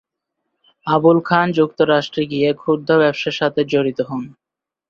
আবুল খান যুক্তরাষ্ট্রে গিয়ে ক্ষুদ্র ব্যবসার সাথে জড়িত হন।